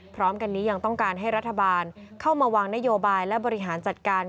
พร้อมกันนี้ยังต้องการให้รัฐบาลเข้ามาวางนโยบายและบริหารจัดการ